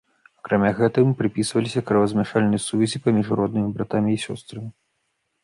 Акрамя гэтага, ім прыпісваліся кровазмяшальныя сувязі паміж роднымі братамі і сёстрамі.